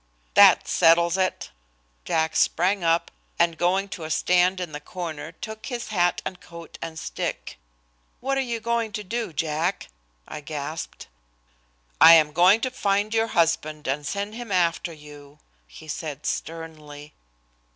"That settles it." Jack sprang up, and going to a stand in the corner took his hat and coat and stick. "What are you going to do, Jack?" I gasped. "I am going to find your husband and send him after you," he said sternly.